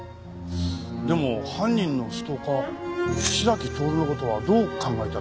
でも犯人のストーカー白木徹の事はどう考えたらいいですか？